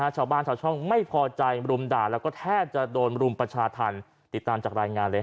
ชาวช่องไม่พอใจรุมด่าแล้วก็แทบจะโดนรุมประชาธรรมติดตามจากรายงานเลย